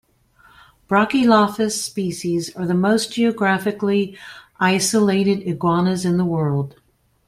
"Brachylophus" species are the most geographically isolated iguanas in the world.